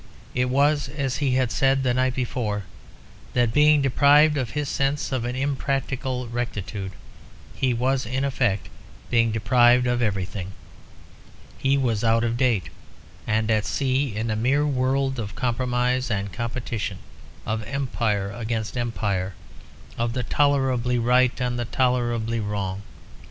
It was as he had said the night before that being deprived of his sense of an impracticable rectitude, he was, in effect, being deprived of everything. He was out of date, and at sea in a mere world of compromise and competition, of Empire against Empire, of the tolerably right and the tolerably wrong.